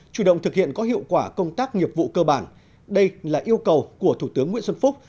chủ động thực hiện có hiệu quả công tác nghiệp vụ cơ bản đây là yêu cầu của thủ tướng nguyễn xuân phúc